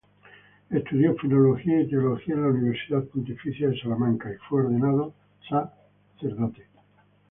Estudió Filología y Teología en la Universidad Pontificia de Salamanca y fue ordenado sacerdote.